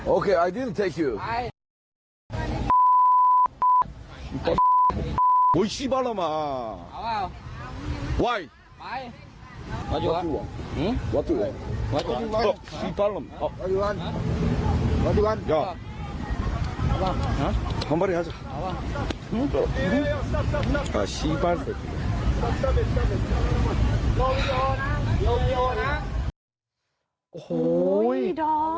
โอ้โหต่อยกันกลางไลฟ์เลยอ่ะ